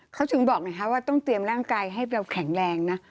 เขาถึงบอกไงคะว่าต้องเตรียมร่างกายให้เราแข็งแรงนะ